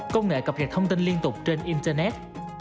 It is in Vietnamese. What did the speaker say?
công nghệ cập nhật thông tin liên tục trên internet